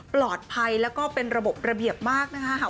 ปลอดภัยแล้วก็เป็นระบบระเบียบมากนะคะ